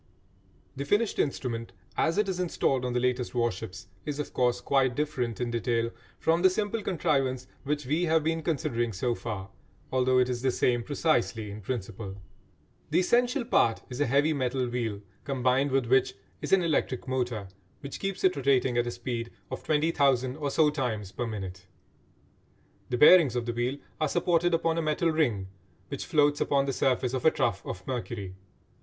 The finished instrument as it is installed on the latest warships is, of course, quite different in detail from the simple contrivance which we have been considering so far, although it is the same precisely in principle. The essential part is a heavy metal wheel combined with which is an electric motor which keeps it rotating at a speed of 20,000 or so times per minute. The bearings of the wheel are supported upon a metal ring which floats upon the surface of a trough of mercury.